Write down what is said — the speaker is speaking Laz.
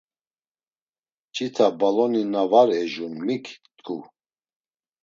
Mç̌ita baloni na var ejun mik tku?